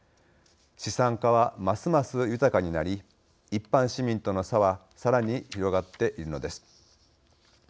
資産家は、ますます豊かになり一般市民との差はさらに広がっているのです。